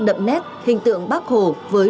đậm nét hình tượng bác hồ với